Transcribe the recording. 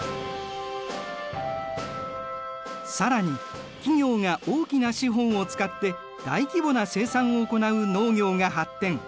更に企業が大きな資本を使って大規模な生産を行う農業が発展。